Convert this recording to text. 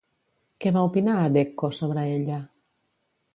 Què va opinar Addecco sobre ella?